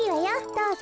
どうぞ。